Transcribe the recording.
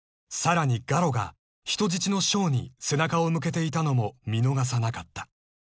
［さらにガロが人質の翔に背中を向けていたのも見逃さなかった］